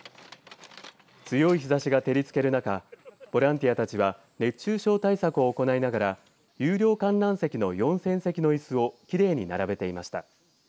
強い日ざしが照りつける中ボランティアたちは熱中症対策を行いながら有料観覧席の４０００席の椅子をきれいに並べていました。